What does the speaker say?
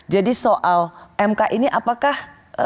jadi soal mk ini apakah